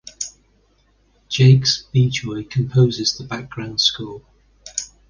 Jakes Bejoy composes the background score.